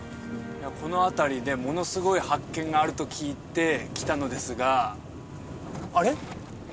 この辺りでものすごい発見があると聞いて来たのですがあれ？